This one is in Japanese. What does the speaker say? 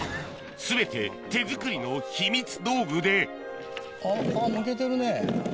全て手作りの秘密道具であっ皮むけてるね。